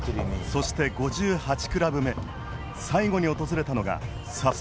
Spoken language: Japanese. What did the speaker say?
そして５８クラブ目最後に訪れたのが札幌